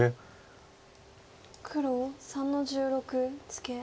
黒３の十六ツケ。